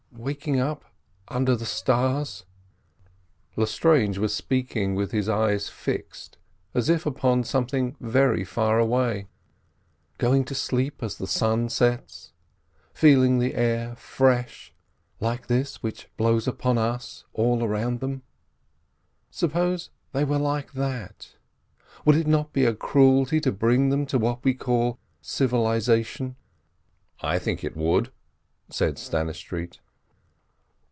"Waking up under the stars"—Lestrange was speaking with his eyes fixed, as if upon something very far away—"going to sleep as the sun sets, feeling the air fresh, like this which blows upon us, all around them. Suppose they were like that, would it not be a cruelty to bring them to what we call civilisation?" "I think it would," said Stannistreet.